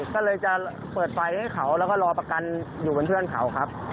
ก็เลยจะเปิดไฟให้เขาแล้วก็รอประกันอยู่บนเพื่อนเขาครับ